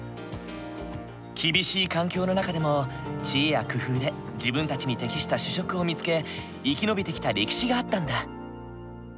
厳しい環境の中でも知恵や工夫で自分たちに適した主食を見つけ生き延びてきた歴史があったんだ。